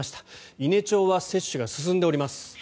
伊根町は接種が進んでおります。